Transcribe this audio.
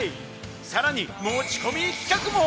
さらに持ち込み企画も！